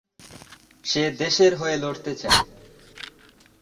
সে দেশের হয়ে লড়তে চায়।